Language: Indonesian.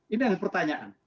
ini yang dipertanyakan